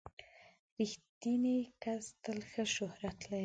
• رښتینی کس تل ښه شهرت لري.